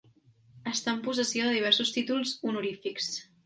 Està en possessió de diversos títols honorífics.